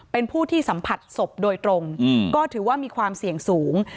เป็นผู้ที่สัมผัสศพโดยตรงก็ถือว่ามีความเสี่ยงสูง